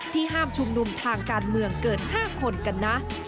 ห้ามชุมนุมทางการเมืองเกิน๕คนกันนะ